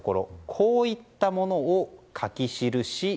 こういったものを書き記し